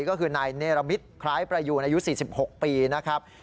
ก็คือนายเนรมิตคล้ายประยูนอายุ๔๖ปีนะครับ